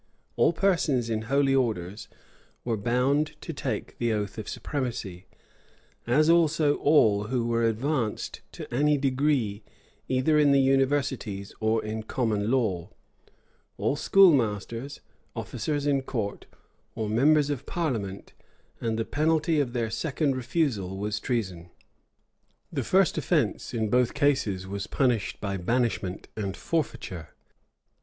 All persons in holy orders were bound to take the oath of supremacy; as also all who were advanced to any degree, either in the universities or in common law; all schoolmasters, officers in court, or members of parliament: and the penalty of their second refusal was treason. The first offence, in both cases, was punished by banishment and forfeiture.